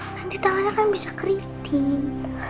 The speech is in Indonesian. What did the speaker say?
nanti tangannya kan bisa keriting